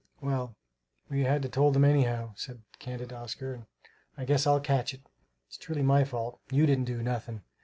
"Well, we'd had to told them anyhow," said candid Oscar, "and I guess I'll catch it. It's truly my fault. You didn't do nothing.